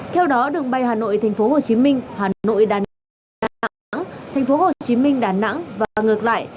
theo đó đường bay hà nội thành phố hồ chí minh hà nội đà nẵng thành phố hồ chí minh đà nẵng và ngược lại